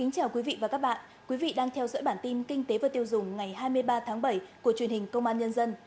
chào mừng quý vị đến với bản tin kinh tế và tiêu dùng ngày hai mươi ba tháng bảy của truyền hình công an nhân dân